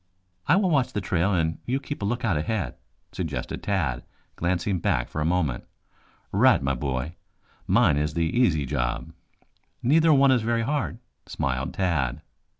"I will watch the trail and you keep a lookout ahead," suggested Tad, glancing back for a moment. "Right, my boy. Mine is the easy job." "Neither one is very hard," smiled Tad.